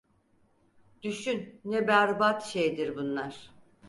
Düşün ne berbat şeydir bunlar!